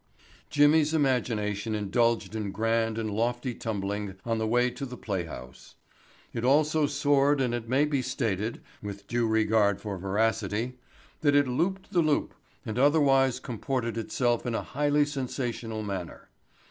Jimmy's imagination indulged in grand and lofty tumbling on the way to the playhouse. It also soared and it may be stated, with due regard for veracity, that it looped the loop and otherwise comported itself in a highly sensational manner.